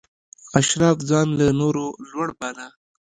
اشراف ځان له نورو لوړ باله.